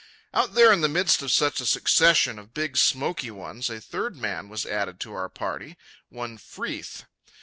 Out there in the midst of such a succession of big smoky ones, a third man was added to our party, one Freeth.